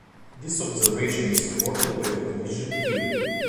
This observation is supported by the collision theory.